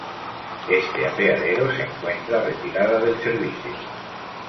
Este apeadero se encuentra retirada del servicio.